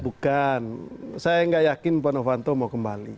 bukan saya enggak yakin puan novanto mau kembali